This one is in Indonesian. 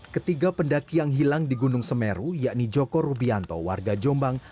ketiga pendaki yang hilang di gunung semeru yakni joko rubianto warga jombang